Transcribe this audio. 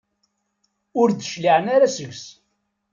Ur d-cliɛen ara seg-s.